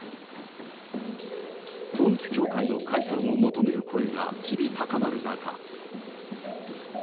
統一教会の解散を求める声が日々高まる中。